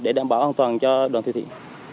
để đảm bảo an toàn cho đoàn thực thiện